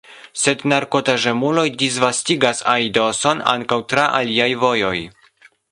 Sed narkotaĵemuloj disvastigas aidoson ankaŭ tra aliaj vojoj.